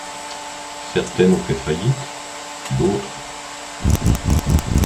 Certaines ont fait faillite, d'autres...